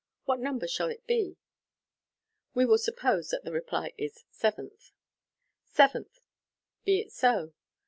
What number shall it be ?" (We will suppose that the reply is " Seventh.") " Seventh, be it so.